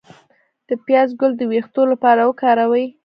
د پیاز ګل د ویښتو لپاره وکاروئ